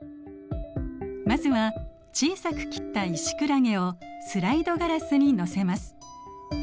まずは小さく切ったイシクラゲをスライドガラスに載せます。